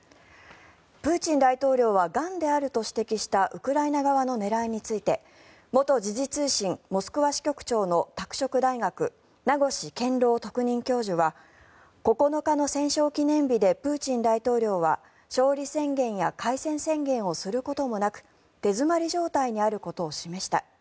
プーチン大統領はがんであると指摘したウクライナ側の狙いについて元時事通信モスクワ支局長の拓殖大学、名越健郎特任教授は９日の戦勝記念日でプーチン大統領は勝利宣言や開戦宣言をすることもなく手詰まり状態にあることを示した。